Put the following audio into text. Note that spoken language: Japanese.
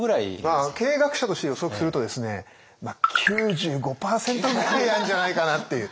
経営学者として予測するとですね９５％ぐらいなんじゃないかなっていう。